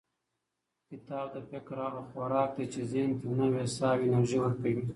کتاب د فکر هغه خوراک دی چې ذهن ته نوې ساه او انرژي ورکوي.